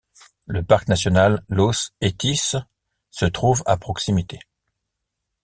Le parc national Los Haitises se trouve à proximité.